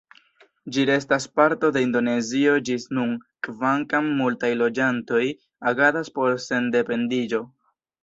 Ĝi restas parto de Indonezio ĝis nun, kvankam multaj loĝantoj agadas por sendependiĝo.